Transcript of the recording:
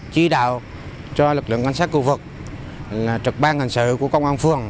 chỉ đạo cho lực lượng quan sát khu vực trực bang hành xử của công an phường